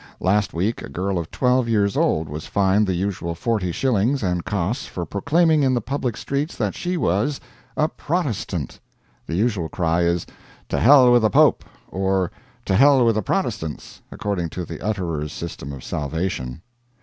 Last week a girl of twelve years old was fined the usual forty shillings and costs for proclaiming in the public streets that she was "a Protestant." The usual cry is, "To hell with the Pope!" or "To hell with the Protestants!" according to the utterer's system of salvation.